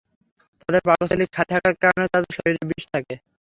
তাদের পাকস্থলী খালি থাকার কারণে তাদের শরীরে বিষ থাকে।